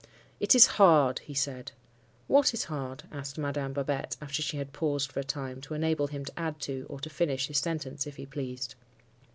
"'It is hard!' he said. "'What is hard?' asked Madame Babette, after she had paused for a time, to enable him to add to, or to finish, his sentence, if he pleased.